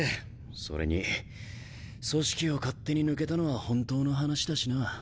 それに組織を勝手に抜けたのは本当の話だしな。